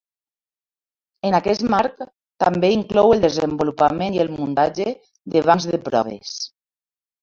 En aquest marc també inclou el desenvolupament i el muntatge de bancs de proves.